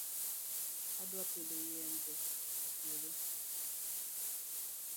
Adwa pidho yiende e puodho